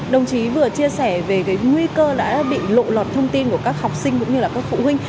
đồng chí vừa chia sẻ về cái nguy cơ đã bị lộ lọt thông tin của các học sinh cũng như là các phụ huynh